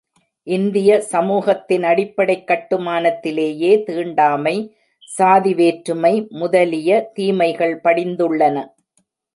இந்திய சமூகத்தின் அடிப்படைக் கட்டுமானத்திலேயே தீண்டாமை, சாதி வேற்றுமை முதலிய தீமைகள் படிந்துள்ளன.